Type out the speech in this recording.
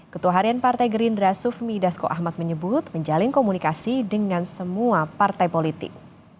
ketua harian partai gerindra sufmi dasko ahmad menyebut menjalin komunikasi dengan semua partai politik